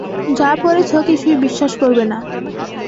যা পড়েছ কিছুই বিশ্বাস করবে না।